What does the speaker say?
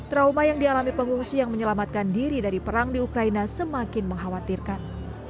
trauma yang dialami pengungsi yang menyelamatkan diri dari perang di ukraina semakin mengkhawatirkan